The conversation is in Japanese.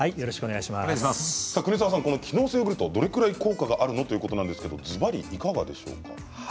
この機能性ヨーグルトどれくらい効果があるのということなんですがずばりいかがでしょうか。